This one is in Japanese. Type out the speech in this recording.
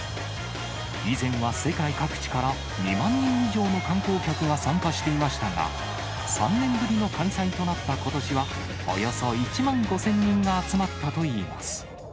以前は世界各地から、２万人以上の観光客が参加していましたが、３年ぶりの開催となったことしは、およそ１万５０００人が集まったといいます。